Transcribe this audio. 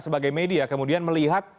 sebagai media kemudian melihat